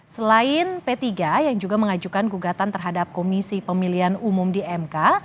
selain p tiga yang juga mengajukan gugatan terhadap komisi pemilihan umum di mk